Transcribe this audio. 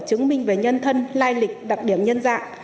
chứng minh về nhân thân lai lịch đặc điểm nhân dạng